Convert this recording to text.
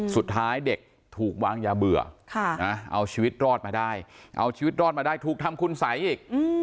สุดท้ายเด็กถูกวางยาเบื่อเอาชีวิตรอดมาได้เอาชีวิตรอดมาได้ถูกทำคุณสัยอีก